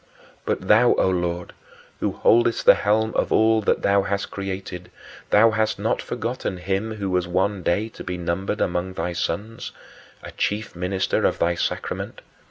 But thou, O Lord, who holdest the helm of all that thou hast created, thou hadst not forgotten him who was one day to be numbered among thy sons, a chief minister of thy sacrament.